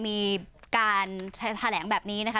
มีการแถลงแบบนี้นะคะ